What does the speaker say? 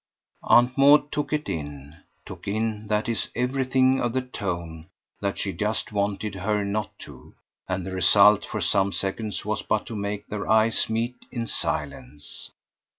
Aunt Maud took it in took in, that is, everything of the tone that she just wanted her not to; and the result for some seconds was but to make their eyes meet in silence.